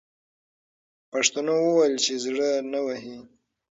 پښتنو وویل چې زړه نه وهي.